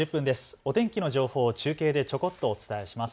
お天気の情報を中継でちょこっとお伝えします。